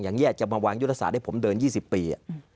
อย่างเงี้ยจะมาวางยุทธศาสตร์ให้ผมเดิน๒๐ปี